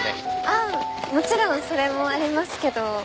あっもちろんそれもありますけど。